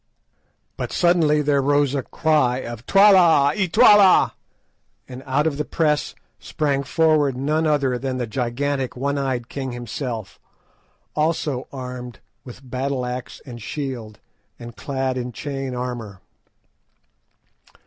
But suddenly there rose a cry of "Twala, y' Twala," and out of the press sprang forward none other than the gigantic one eyed king himself, also armed with battle axe and shield, and clad in chain armour.